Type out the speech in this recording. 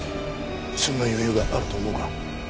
そんな余裕があると思うか？